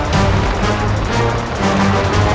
aku akan menangkapmu